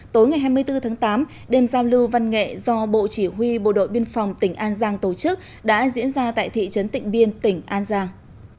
tối ngày hai mươi bốn tháng tám đêm giao lưu văn nghệ do bộ chỉ huy bộ đội biên phòng tỉnh an giang tổ chức đã diễn ra tại thị trấn tỉnh biên tỉnh an giang